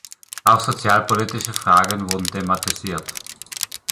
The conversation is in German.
Auch sozialpolitische Fragen wurden thematisiert.